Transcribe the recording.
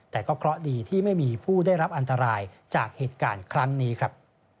แต่ก็เคราะห์ดีที่ไม่มีผู้ได้รับอันตรายจากเหตุการณ์ครั้งนี้ครับ